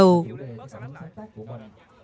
chúng tôi muốn đà lạt có thêm